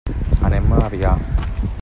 Anem a Avià.